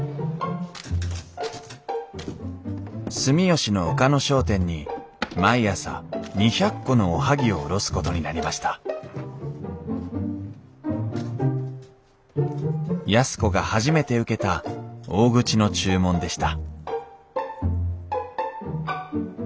住吉の岡野商店に毎朝２００個のおはぎを卸すことになりました安子が初めて受けた大口の注文でした